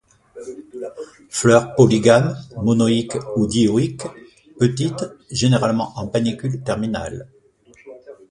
Fleurs polygames, monoïques ou dioïques, petites, généralement en panicules terminales.